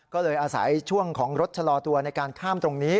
ก็เลยอาศัยช่วงของรถชะลอตัวในการข้ามตรงนี้